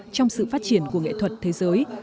trong sự phát triển của nghệ thuật thế giới